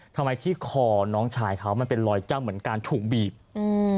ทำไมที่คอน้องชายเขามันเป็นรอยจ้ำเหมือนการถูกบีบอืม